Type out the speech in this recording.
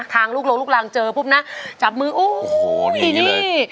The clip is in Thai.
ทางลูกลงลูกลางเจอปุ๊บนะจับมือโอ้โหอย่างนี้เลย